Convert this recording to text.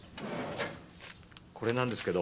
これなんですけど。